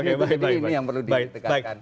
jadi ini yang perlu ditegakkan